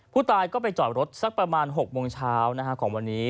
ผู้ตายก็ไปจอดรถสักประมาณ๖โมงเช้าของวันนี้